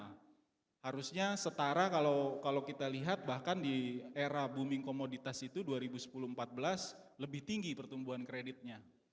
harusnya setara kalau kita lihat bahkan di era booming komoditas itu dua ribu sepuluh empat belas lebih tinggi pertumbuhan kreditnya